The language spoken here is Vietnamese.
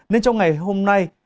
nên trong ngày hôm nay